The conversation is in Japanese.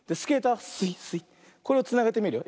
これをつなげてみるよ。